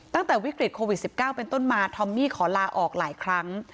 ตั้งแต่วิกฤตโควิด๑๙เป็นต้นมาทอมมี่ขอลาออกหลายครั้ง